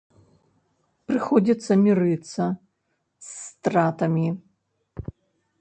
Прыходзіцца мірыцца з стратамі.